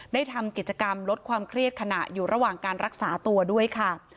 ได้ทำกิจกรรมลดความเครียดขณะอยู่ระหว่างการรักษาตัวด้วยค่ะ